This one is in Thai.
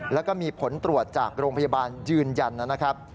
แล้วก็มีผลตรวจจากโรงพยาบาลยืนยันนะครับ